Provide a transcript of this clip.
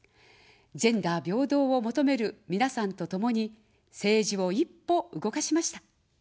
ジェンダー平等を求めるみなさんとともに政治を一歩動かしました。